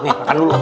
nih makan dulu